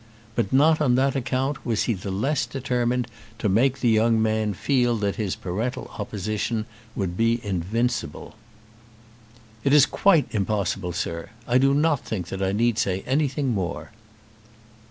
But not on that account was he the less determined to make the young man feel that his parental opposition would be invincible. "It is quite impossible, sir. I do not think that I need say anything more."